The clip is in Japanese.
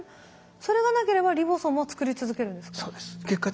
それがなければリボソームを作り続けるんですか？